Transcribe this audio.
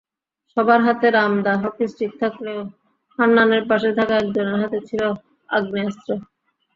সবার হাতে রামদা, হকিস্টিক থাকলেও হান্নানের পাশে থাকা একজনের হাতে ছিল আগ্নেয়াস্ত্র।